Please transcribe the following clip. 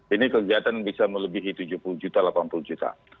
ini kegiatan bisa melebihi tujuh puluh juta delapan puluh juta